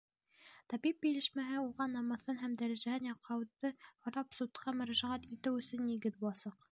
Табип белешмәһе уға намыҫын һәм дәрәжәһен яҡлауҙы һорап судҡа мөрәжәғәт итеү өсөн нигеҙ буласаҡ.